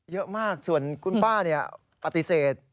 เยอะมากส่วนคุณป้าปฏิเสธ